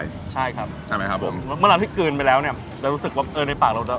ใช่ครับใช่ไหมครับผมเมื่อเวลาที่กลืนไปแล้วเนี่ยเรารู้สึกว่าเออในปากเราจะ